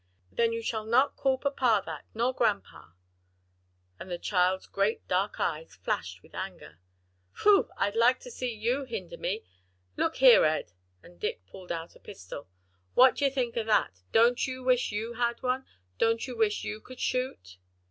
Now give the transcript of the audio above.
"Then you shall not call papa that, nor grandpa!" and the child's great dark eyes flashed with anger. "Whew! I'd like to see you hinder me. Look here, Ed," and Dick pulled out a pistol, "what d'ye think o' that? don't you wish you had one? don't you wish you could shoot?"